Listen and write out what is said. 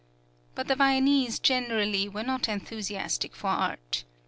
} (67) But the Viennese generally were not enthusiastic for art.